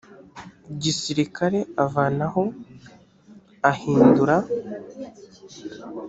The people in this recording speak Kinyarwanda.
gisirikare avanaho ahindura